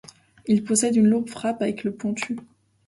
Il possède une lourde frappe avec le pointu.